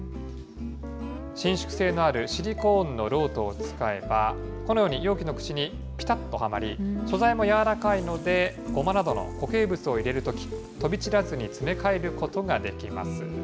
伸縮性のあるシリコーンの漏斗を使えば、このように容器の口にぴたっとはまり、素材も柔らかいので、ごまなどの固形物を入れるとき、飛び散らずに詰め替えることができます。